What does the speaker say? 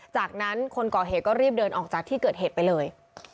จากนั้นคนก่อเหตุก็รีบเดินออกจากที่เกิดเหตุไปเลย